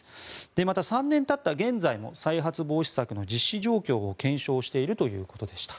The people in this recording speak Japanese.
また、３年たった現在も再発防止策の実施状況を検証しているということでした。